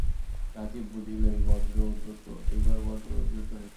রাজীব বুঝিল, এইবার বজ্র উদ্যত হইয়াছে।